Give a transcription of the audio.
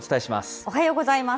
おはようございます。